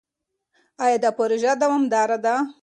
ایا دا پروژه دوامداره ده؟